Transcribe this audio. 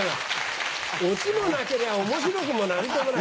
オチもなけりゃ面白くも何ともない。